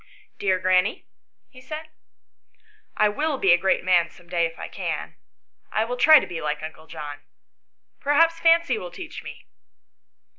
" Dear granny," he said, " I will be a great man some day if I can. I will try to be like uncle John. Perhaps Fancy will teach me."